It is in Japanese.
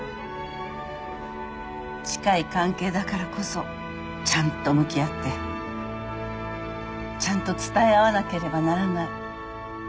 近い関係だからこそちゃんと向き合ってちゃんと伝え合わなければならない。